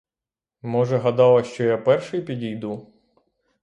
Може, гадала, що я перший підійду?